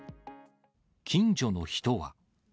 近所の人は。